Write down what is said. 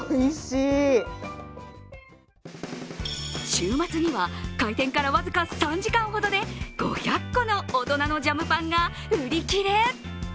週末には開店から僅か３時間ほどで５００個の大人のジャムパンが売り切れ。